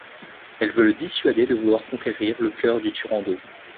Elle veut le dissuader de vouloir conquérir le cœur de Turandot.